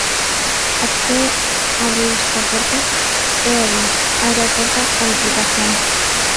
¿A que abre isto a porta? É obvio, abre a porta á duplicación.